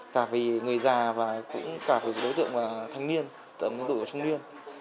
cả vì người già và đối tượng thành niên tầm đội trung niên